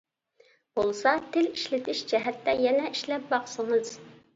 بولسا تىل ئىشلىتىش جەھەتتە يەنە ئىشلەپ باقسىڭىز.